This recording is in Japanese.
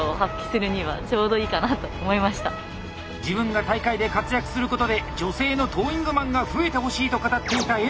自分が大会で活躍することで女性のトーイングマンが増えてほしいと語っていた遠藤。